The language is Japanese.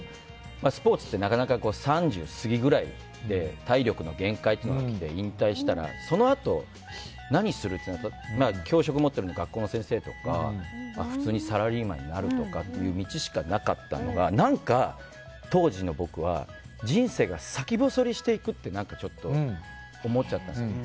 スポーツってなかなか３０過ぎくらいで体力の限界がきて引退したら、そのあと何するって教職を持ってるので学校の先生とか普通にサラリーマンになるっていう道しかなかったのが何か、当時の僕は人生が先細りしていくってちょっと思っちゃったんです。